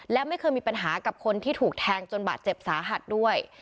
และไม่เคยมีปัญหากับคนที่ถูกแทงจนบาดเจ็บสาหัสด้วย